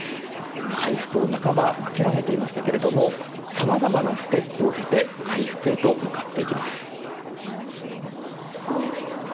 回復を半ば諦めていましたけれどもさまざまなステップを経て回復へと向かっていきます。